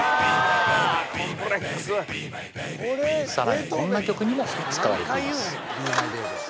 さらにこんな曲にも使われています